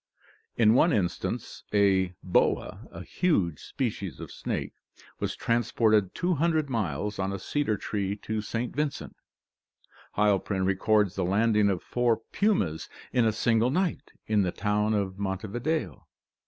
In one instance, a boa, a huge species of snake, was transported 200 miles on a cedar tree to St. Vincent. Heilprin records the landing of four pumas in a single night in the town of Montevideo.